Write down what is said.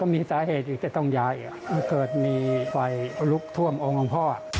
เมื่อเกิดมีไฟลุกทวมองค์หลวงพ่อ